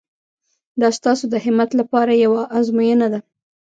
دا ستاسو د همت لپاره یوه ازموینه ده.